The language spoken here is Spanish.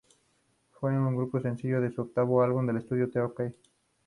Fue el segundo sencillo de su octavo álbum de estudio "The Key".